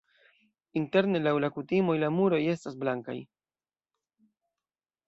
Interne laŭ la kutimoj la muroj estas blankaj.